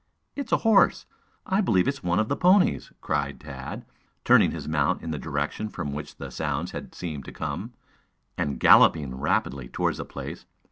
"It's a horse. I believe it's one of the ponies," cried Tad, turning his mount in the direction from which the sounds had seemed to come, and galloping rapidly toward the place.